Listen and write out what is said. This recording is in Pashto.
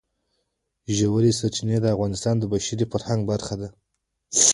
ژورې سرچینې د افغانستان د بشري فرهنګ برخه ده.